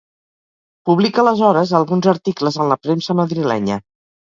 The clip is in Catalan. Publica, aleshores, alguns articles en la premsa madrilenya.